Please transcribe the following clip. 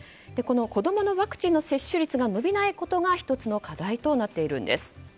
子供のワクチンの接種率が伸びないことが１つの課題となっているんです。